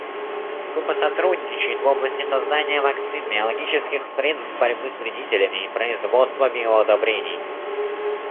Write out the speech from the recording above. Куба сотрудничает в области создания вакцин, биологических средств борьбы с вредителями и производства биоудобрений.